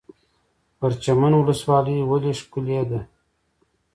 پرچمن ولسوالۍ ولې ښکلې ده؟